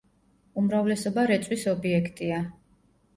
უმრავლესობა რეწვის ობიექტია.